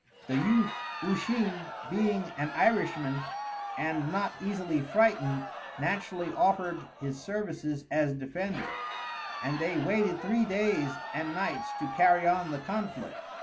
The youth Usheen, being an Irishman and not easily frightened, naturally offered his services as defender, and they waited three days and nights to carry on the conflict.